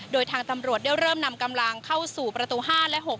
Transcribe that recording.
โดยทางตำรวจได้เริ่มนำกำลังเข้าสู่ประตู๕และ๖